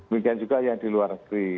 demikian juga yang di luar negeri